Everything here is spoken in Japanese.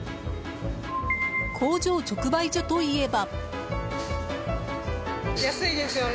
工場直売所といえば。